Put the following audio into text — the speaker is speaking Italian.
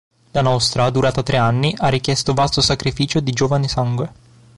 La nostra, durata tre anni, ha richiesto vasto sacrificio di giovane sangue.